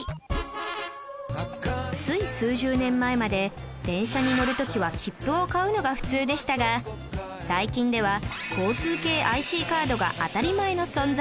つい数十年前まで電車に乗る時は切符を買うのが普通でしたが最近では交通系 ＩＣ カードが当たり前の存在に